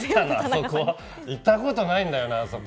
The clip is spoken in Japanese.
行ったことないんだよな、そこ。